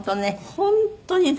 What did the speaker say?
本当にね